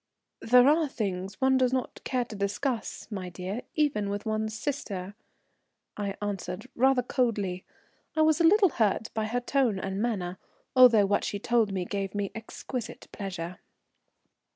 "There are things one does not care to discuss, my dear, even with one's sister," I answered, rather coldly. I was a little hurt by her tone and manner, although what she told me gave me exquisite pleasure.